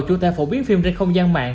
chủ tế phổ biến phim trên không gian mạng